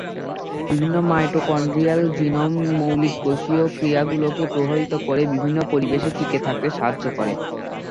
বিভিন্ন mitochondrial genome মৌলিক কোষীয় ক্রিয়া গুলোকে প্রভাবিত করে বিভিন্ন পরিবেশে টিকে থাকতে সাহায্য করে।